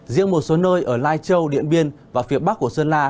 riêng một số nơi ở lai châu điện biên và phía bắc của sơn la